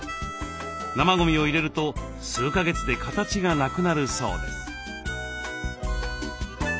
生ゴミを入れると数か月で形がなくなるそうです。